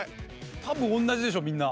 多分同じでしょみんな。